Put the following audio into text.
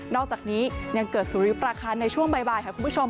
อกจากนี้ยังเกิดสุริปราคาในช่วงบ่ายค่ะคุณผู้ชม